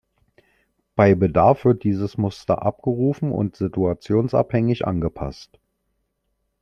Bei Bedarf wird dieses Muster abgerufen und situationsabhängig angepasst.